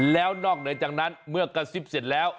แล้วนอกเหนือจากนั้นเมื่อกระซิบเสร็จแล้ว